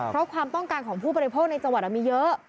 เพราะความต้องการของผู้บริโภคในจังหวัดมีเยอะ